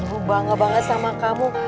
gue bangga banget sama kamu